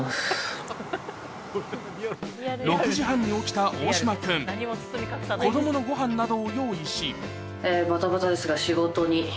６時半に起きた大島君子供のご飯などを用意しバタバタですが。